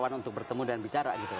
dewan untuk bertemu dan bicara gitu